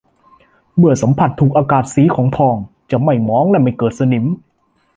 เมื่อสัมผัสถูกอากาศสีของทองจะไม่หมองและไม่เกิดสนิม